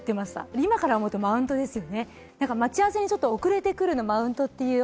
今、思うとマウントですよね。